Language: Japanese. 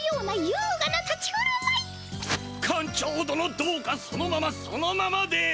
どうかそのままそのままで！